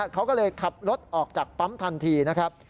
เขาก็เลยขับรถออกจากปั๊มทันทีนะครับ